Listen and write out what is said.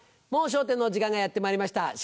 『もう笑点』の時間がやってまいりました。